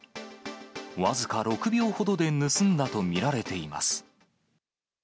僅か６秒ほどで盗んだと見られています。